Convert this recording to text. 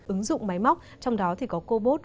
ứng dụng máy móc trong đó thì có cobot